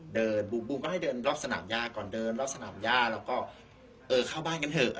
บูมบูมก็ให้เดินรอบสนามย่าก่อนเดินรอบสนามย่าแล้วก็เออเข้าบ้านกันเถอะ